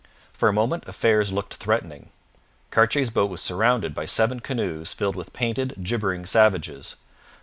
For a moment affairs looked threatening. Cartier's boat was surrounded by seven canoes filled with painted, gibbering savages.